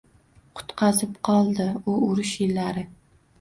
Qutqazib qoldi u urush yillari